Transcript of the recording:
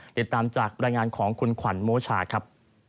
เดี๋ยวตามจากรายงานของคุณขวัญโมชาครับ